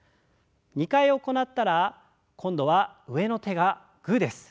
２回行ったら今度は上の手がグーです。